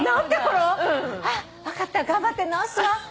分かった頑張って治すわ。